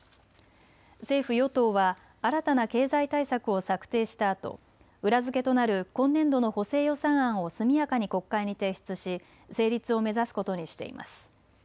政府与党は新たな経済対策を策定したあと裏付けとなる今年度の補正予算案を速やかに国会に提出し成立を目指すことにしています。